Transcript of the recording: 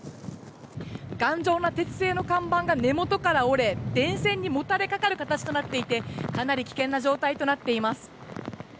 頑丈な鉄製の看板が根元から折れ電線にもたれかかる形となっていて、かなり危険な状態となっています。